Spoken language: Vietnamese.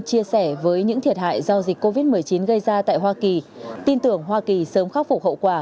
chia sẻ với những thiệt hại do dịch covid một mươi chín gây ra tại hoa kỳ tin tưởng hoa kỳ sớm khắc phục hậu quả